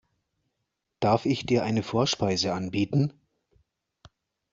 Darf ich dir eine Vorspeise anbieten?